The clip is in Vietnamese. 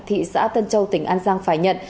thị xã tân châu tỉnh an giang phải nhận